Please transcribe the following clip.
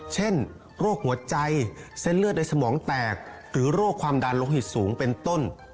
เช่นโรคหัวใจเส้นเลือดในสมองแตกหรือโรคความดันโลหิตสูงเป็นต้น